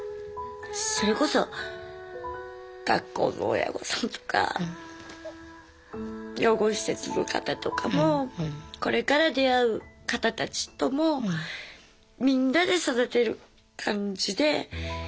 それこそ学校も親御さんとか養護施設の方とかもこれから出会う方たちともみんなで育てる感じでいいような気がします。